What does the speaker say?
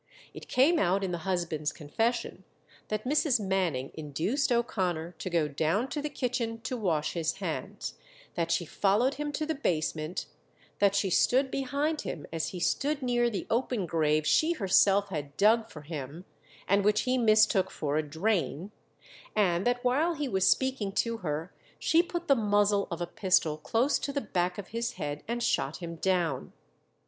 It came out in the husband's confession that Mrs. Manning induced O'Connor to go down to the kitchen to wash his hands, that she followed him to the basement, that she stood behind him as he stood near the open grave she herself had dug for him, and which he mistook for a drain, and that while he was speaking to her she put the muzzle of a pistol close to the back of his head and shot him down.